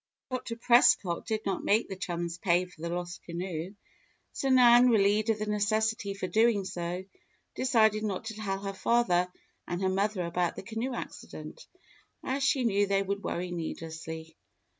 Dr. Prescott did not make the chums pay for the lost canoe, so Nan, relieved of the necessity for doing so, decided not to tell her father and mother about the canoe accident, as she knew they would worry needlessly.